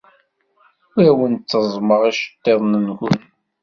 Ur awen-tteẓẓmeɣ iceḍḍiḍen-nwen.